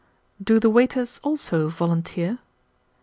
"Do the waiters, also, volunteer?"